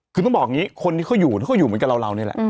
คือต้องบอกอย่างนี้คนที่เขาอยู่เขาก็อยู่เหมือนกับเรานี่แหละ